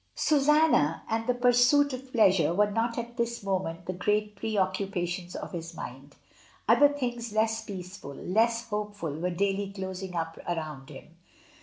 Susanna and the pursuit of pleasure were not at this moment the great preoccupations of his mind; other things less peaceful, less hopeful were daily closing up around him.